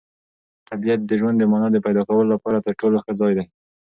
طبیعت د ژوند د مانا د پیدا کولو لپاره تر ټولو ښه ځای دی.